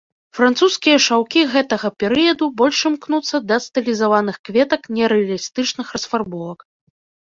Французскія шаўкі гэтага перыяду больш імкнуцца да стылізаваных кветак нерэалістычных расфарбовак.